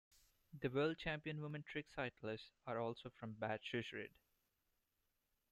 The world champion women trick cyclists are also from Bad Schussenried.